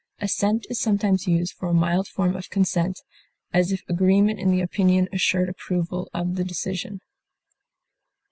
Assent is sometimes used for a mild form of consent, as if agreement in the opinion assured approval of the decision.